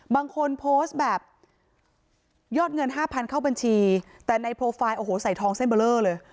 บางคนโพสต์แบบยอดเงินห้าพันเข้าบัญชีแต่ในโปรไฟล์โอ้โหใส่ทองเส้นเบอร์เลอร์เลย